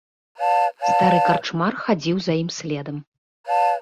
Стары карчмар хадзіў за ім следам.